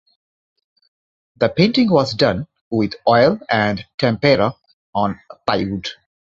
The painting was done with oil and tempera on plywood.